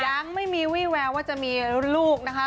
ยังไม่มีวี่แววว่าจะมีลูกนะคะ